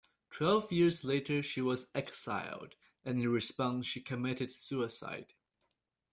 Twelve years later she was exiled, and in response she committed suicide.